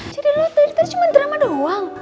jadi lo tadi tadi cuma drama doang